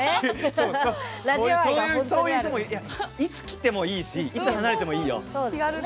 いつ来てもいいしいつ離れてもいいよ。